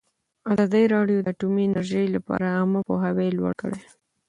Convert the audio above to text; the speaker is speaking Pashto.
ازادي راډیو د اټومي انرژي لپاره عامه پوهاوي لوړ کړی.